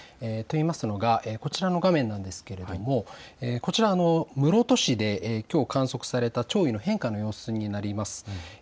と言いますのがこちらの画面なんですけれども室戸市できょう観測された潮位の変化の様子になります。